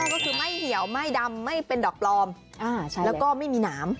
ก็คือไม่เหี่ยวไม่ดำไม่เป็นดอกปลอมแล้วก็ไม่มีหนาม